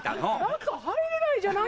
中入れないじゃない。